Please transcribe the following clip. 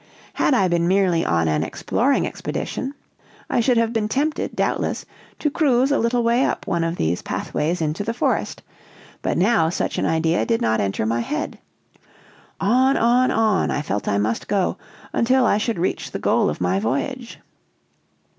Had I been merely on an exploring expedition, I should have been tempted, doubtless, to cruise a little way up one of these pathways into the forest; but now such an idea did not enter my head. On, on, on, I felt I must go, until I should reach the goal of my voyage.